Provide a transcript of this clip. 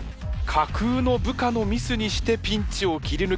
架空の部下のミスにしてピンチを切り抜けるという肝っ玉。